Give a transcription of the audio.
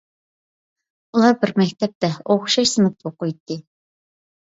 ئۇلار بىر مەكتەپتە، ئوخشاش سىنىپتا ئوقۇيتتى.